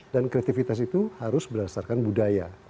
dan kreatifitas itu harus berdasarkan budaya